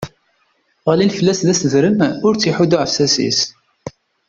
Ɣlin fell-as d aseddrem, ur tt-iḥudd uɛessas-is.